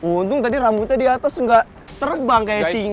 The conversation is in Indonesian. untung tadi rambutnya di atas nggak terbang kayak singa